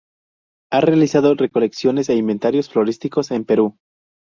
Ha realizado recolecciones e inventarios florísticos en Perú.